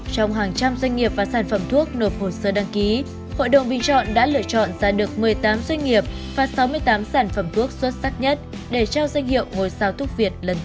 trong hàng trăm doanh nghiệp và sản phẩm thuốc nộp hồ sơ đăng ký hội đồng bình chọn đã lựa chọn ra được một mươi tám doanh nghiệp và sáu mươi tám sản phẩm thuốc xuất sắc nhất để trao danh hiệu ngôi sao thuốc việt lần thứ tám